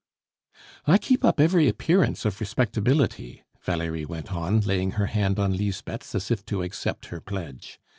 "I keep up every appearance of respectability," Valerie went on, laying her hand on Lisbeth's as if to accept her pledge.